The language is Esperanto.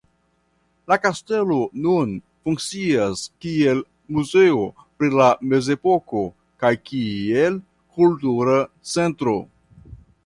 La kastelo nun funkcias kiel muzeo pri la mezepoko kaj kiel kultura centro.